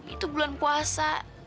itu bulan puasa